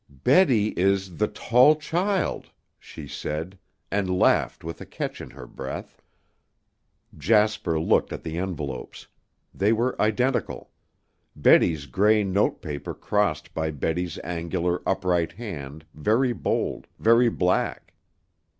"Betty is 'the tall child,'" she said, and laughed with a catch in her breath. Jasper looked at the envelopes. They were identical; Betty's gray note paper crossed by Betty's angular, upright hand, very bold, very black.